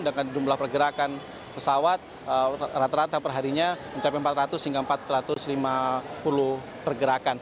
dengan jumlah pergerakan pesawat rata rata perharinya mencapai empat ratus hingga empat ratus lima puluh pergerakan